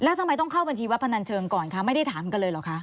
แล้วทำไมต้องเข้าบัญชีวัดพนันเชิงก่อนคะไม่ได้ถามกันเลยเหรอคะ